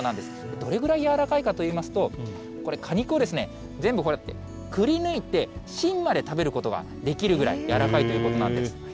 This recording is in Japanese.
どれぐらい柔らかいかといいますと、これ、果肉を全部こうやってくりぬいて、芯まで食べることができるぐらい柔らかいということなんです。